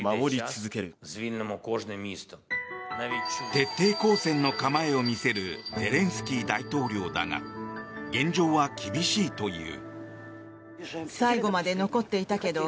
徹底抗戦の構えを見せるゼレンスキー大統領だが現状は厳しいという。